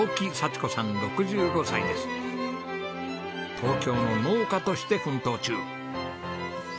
東京の農家として奮闘中。